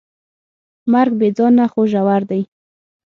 مرګ بېځانه خو ژور دی.